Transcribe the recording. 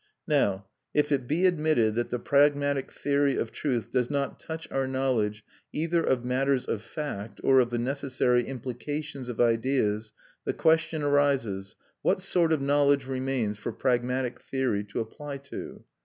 Now, if it be admitted that the pragmatic theory of truth does not touch our knowledge either of matters of fact or of the necessary implications of ideas, the question arises: What sort of knowledge remains for pragmatic theory to apply to?